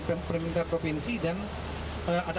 pemerintah provinsi dan ada